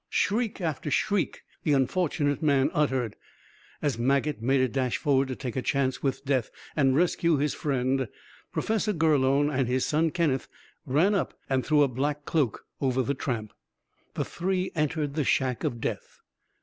Shriek after shriek the unfortunate man uttered. As Maget made a dash forward to take a chance with death and rescue his friend, Professor Gurlone and his son Kenneth ran up and threw a black cloak over the tramp. The three entered the shack of death.